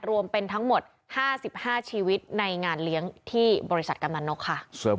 รวมเป็นทั้งหมด๕๕ชีวิตในงานเลี้ยงที่บริษัทกำลังนกค่ะ